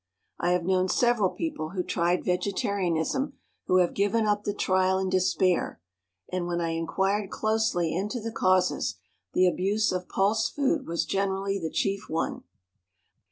I have known several people who tried vegetarianism who have given up the trial in despair, and, when I inquired closely into the causes, the abuse of pulse food was generally the chief one.